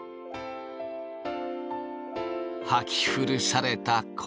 はき古された昴